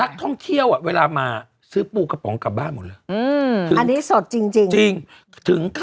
สดจริงจริง